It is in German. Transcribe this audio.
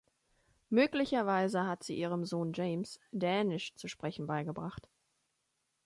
Möglicherweise hat sie ihrem Sohn James Dänisch zu sprechen beigebracht.